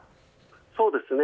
そうですね。